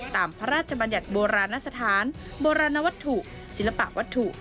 พระราชบัญญัติโบราณสถานโบราณวัตถุศิลปะวัตถุ